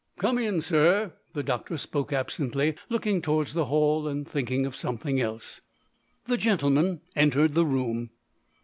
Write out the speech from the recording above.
"Come in, sir." The doctor spoke absently, looking towards the hall, and thinking of something else. The gentleman entered the room.